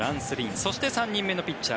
そして、３人目のピッチャー